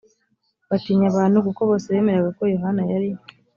batinya abantu kuko bose bemeraga ko yohana yari